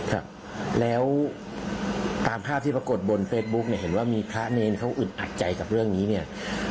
ครับแล้วตามภาพที่ปรากฏบนเฟซบุ๊กเนี่ยเห็นว่ามีพระเนรเขาอึดอัดใจกับเรื่องนี้เนี่ย